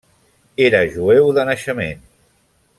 Era jueu de naixement.